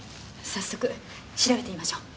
早速調べてみましょう。